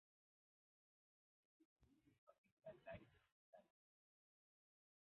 Especialista en familia Lythraceae.